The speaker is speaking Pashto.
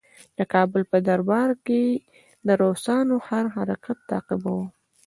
د کابل په دربار کې یې د روسانو هر حرکت تعقیباوه.